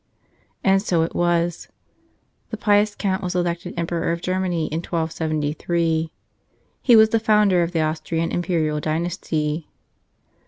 And so it was. The pious Count was elected Em¬ peror of Germany in 1273; he was the founder of the Austrian imperial dynasty.